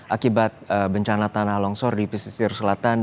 akibat bencana tanah longsor di pesisir selatan